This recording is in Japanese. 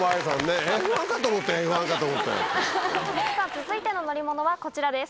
続いての乗り物はこちらです。